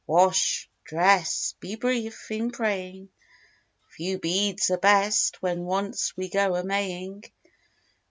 Wash, dress, be brief in praying: Few beads are best, when once we go a Maying.